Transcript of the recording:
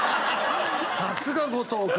さすが後藤君。